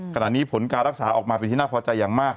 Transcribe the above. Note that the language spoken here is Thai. ขณะนี้ผลการรักษาออกมาเป็นที่น่าพอใจอย่างมาก